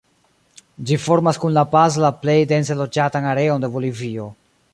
Ĝi formas kun La Paz la plej dense loĝatan areon de Bolivio.